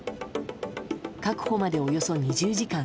確保まで、およそ２０時間。